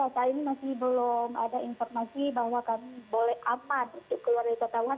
saat ini masih belum ada informasi bahwa kami boleh aman untuk keluar dari kota wuhan